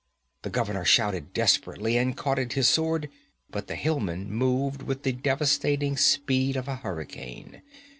The governor shouted desperately and caught at his sword, but the hillman moved with the devastating speed of a hurricane.